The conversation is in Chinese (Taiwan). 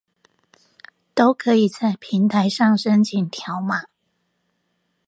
都可以在平台上申請條碼